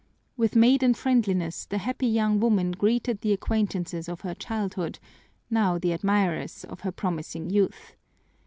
With maiden friendliness the happy young woman greeted the acquaintances of her childhood, now the admirers of her promising youth.